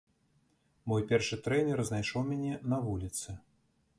Мой першы трэнер знайшоў мяне на вуліцы.